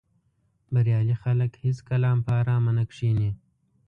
بریالي خلک هېڅکله هم په آرامه نه کیني.